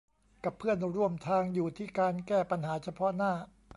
กับเพื่อนร่วมทางอยู่ที่การแก้ปัญหาเฉพาะหน้า